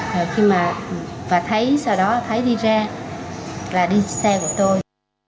rồi khi mà và thấy sau đó thấy đi ra là đi xe của tôi